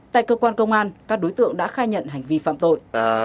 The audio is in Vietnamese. tại cơ quan công an các đối tượng đã khai nhận hành vi phạm tội